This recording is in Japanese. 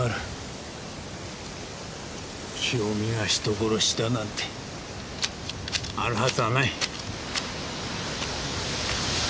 清美が人殺しだなんてあるはずがない。